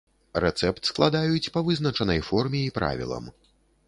Рэцэпт складаюць па вызначанай форме і правілам.